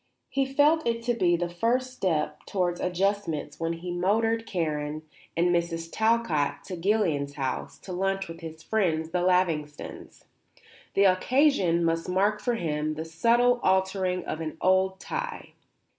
He felt it to be the first step towards adjustments when he motored Karen and Mrs. Talcott to Guillian House to lunch with his friends the Lavingtons. The occasion must mark for him the subtle altering of an old tie.